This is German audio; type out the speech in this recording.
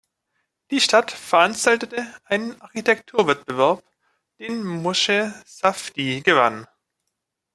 Die Stadt veranstaltete einen Architekturwettbewerb, den Moshe Safdie gewann.